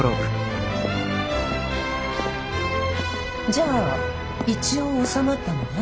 じゃあ一応収まったのね。